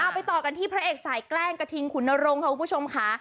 ไปต่อกันที่พระเอกสายแกล้งกระทิงขุนนรงค์ค่ะคุณผู้ชมค่ะ